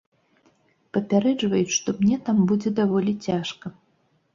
Папярэджваюць, што мне там будзе даволі цяжка.